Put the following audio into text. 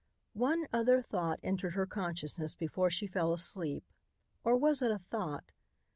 One other thought entered her consciousness before she fell asleep. Or was it a thought?